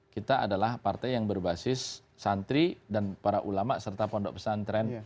kita adalah partai yang berbasis santri dan para ulama serta pondok pesantren